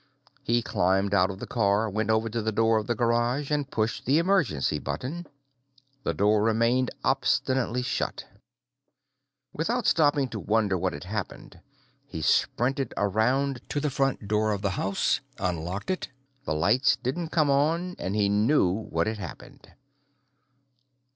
He climbed out of the car, went over to the door of the garage, and pushed the emergency button. The door remained obstinately shut. Without stopping to wonder what had happened, he sprinted around to the front door of the house, unlocked it, and pressed the wall switch. The lights didn't come on, and he knew what had happened.